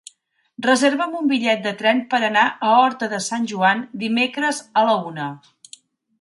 Reserva'm un bitllet de tren per anar a Horta de Sant Joan dimecres a la una.